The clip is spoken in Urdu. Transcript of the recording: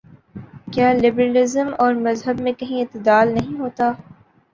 کیا لبرل ازم اور مذہب میں کہیں اعتدال نہیں ہوتا؟